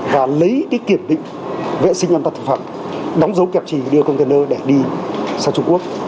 và lấy kiểm định vệ sinh nhân tật thực phẩm đóng dấu kẹp chỉ đưa container để đi sang trung quốc